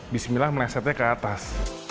bismillah melesetnya ke atas